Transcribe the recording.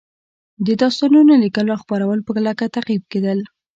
د داستانونو لیکل او خپرول په کلکه تعقیب کېدل